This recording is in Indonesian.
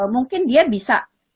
mungkin dia bisa